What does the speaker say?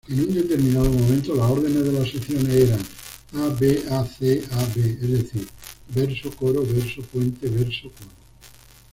En un determinado momento los órdenes de las secciones eran A-B-A-C-A-B, es decir verso-coro-verso-puente-verso-coro.